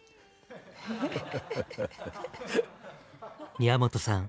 宮本さん